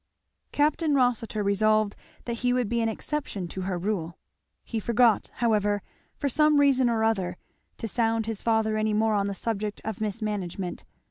Capt. Rossitur resolved that he would be an exception to her rule. He forgot, however, for some reason or other, to sound his father any more on the subject of mismanagement.